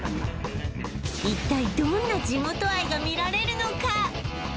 一体どんな地元愛が見られるのか？